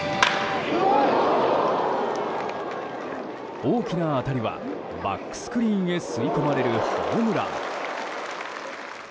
大きな当たりはバックスクリーンへ吸い込まれるホームラン。